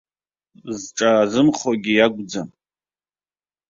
Зҿаазымхогьы иакәӡам.